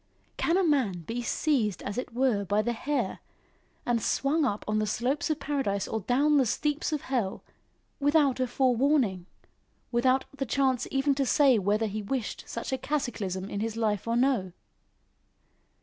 Can a man be seized as it were by the hair, and swung up on the slopes of paradise or down the steeps of hell without a forewarning, without the chance even to say whether he wished such a cataclysm in his life or no?